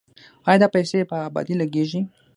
آیا دا پیسې په ابادۍ لګیږي؟